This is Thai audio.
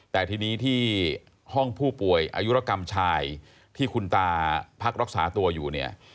แต่ทีนี้ที่ห้องผู้ป่วยอายุรกรรมชายที่คุณตาพักรักษาตัวอยู่เนี่ย